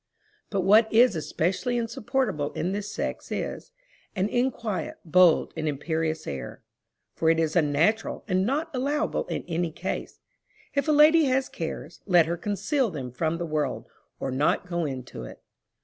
But what is especially insupportable in this sex is, an inquiet, bold, and imperious air; for it is unnatural, and not allowable in any case. If a lady has cares, let her conceal them from the world, or not go into it.